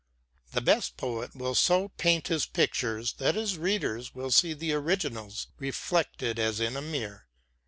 The best poet will so paint his pictures that his readers will see the originals reflected as in a mirror.